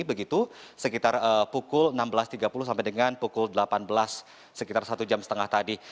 begitu sekitar pukul enam belas tiga puluh sampai dengan pukul delapan belas sekitar satu jam setengah tadi